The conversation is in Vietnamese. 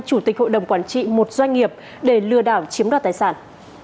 chủ tịch hội đồng quản trị một doanh nghiệp để lừa đảo chiếm đoạt tài sản